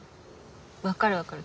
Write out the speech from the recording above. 分かる分かる